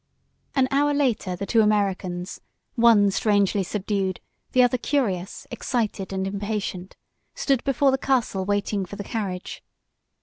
An hour later the two Americans, one strangely subdued, the other curious, excited and impatient, stood before the castle waiting for the carriage.